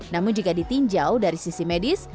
namun jika ditinjau dari sisi medis